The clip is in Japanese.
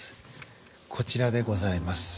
こちらでございます。